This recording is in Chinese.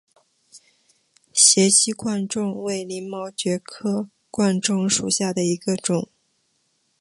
斜基贯众为鳞毛蕨科贯众属下的一个种。